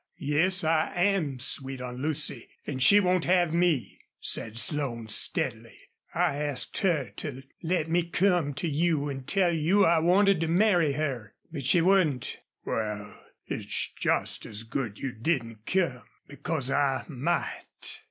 "Yes, I AM sweet on Lucy, an' she won't have me," said Slone, steadily. "I asked her to let me come to you an' tell you I wanted to marry her. But she wouldn't." "Wal, it's just as good you didn't come, because I might...."